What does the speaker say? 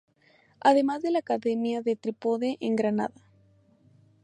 Además de la Academia del Trípode en Granada.